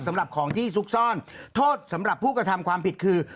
สำหรับของที่ซุกซ่อนโทษสำหรับผู้กระทำความผิดคือ